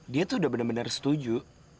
dia tuh udah bener bener setuju